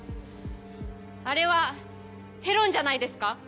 あれはヘロンじゃないですか？